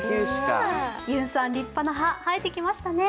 ゆんさん、立派な歯、生えてきましたね。